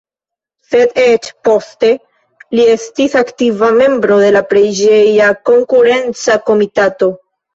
Sed eĉ poste li estis aktiva membro de la preĝeja konkurenca komitato.